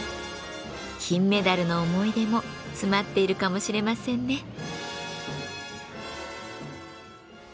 金メダルの思い出も詰まっているかもしれませんね。